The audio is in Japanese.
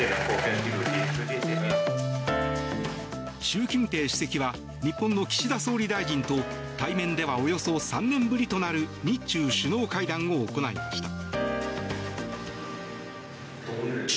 習近平主席は日本の岸田総理大臣と対面ではおよそ３年ぶりとなる日中首脳会談を行いました。